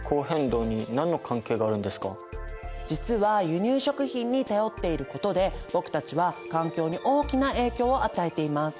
実は輸入食品に頼っていることで僕たちは環境に大きな影響を与えています。